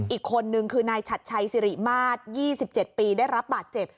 อีกคนนึงคือนายฉัดชัยสิริมาตร๒๗ปีได้รับบาดเจ็บ